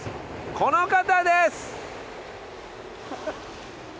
この方です。